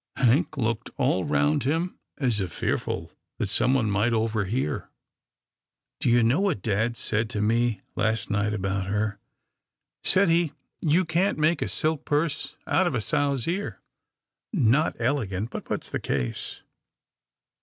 Hank looked all round him, as if fearful that someone might overhear. Do you know what dad said to me last night about her ? Said he, ' You can't make a silk purse out of a sow's ear '— Not elegant, but puts the case."